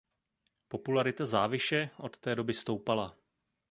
Popularita Záviše od té doby stoupala.